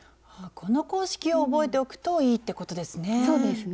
この公式を覚えておくといいってことですね。